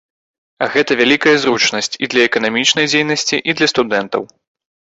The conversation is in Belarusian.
А гэта вялікая зручнасць і для эканамічнай дзейнасці, і для студэнтаў.